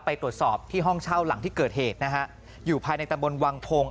ไปตรวจสอบที่ห้องเช่าหลังที่เกิดเหตุนะฮะอยู่ภายในตำบลวังทง